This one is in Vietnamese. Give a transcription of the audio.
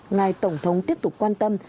ngài tổng thống tiếp tục quan tâm